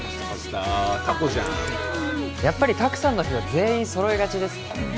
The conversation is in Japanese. タコじゃんやっぱり拓さんの日は全員揃いがちですね